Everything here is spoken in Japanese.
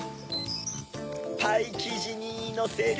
パイきじにのせる